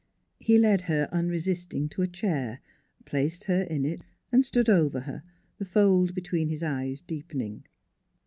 He led her unresisting to a chair, placed her in it, and stood over her, the fold between his eyes deepening.